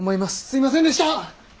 すいませんでした！